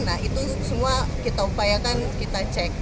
nah itu semua kita upayakan kita cek